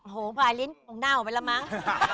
โหงพายลิ้นคงเน่าออกไปแล้วมั้ง